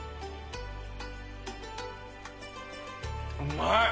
うまい。